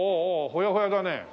ほやほやだね。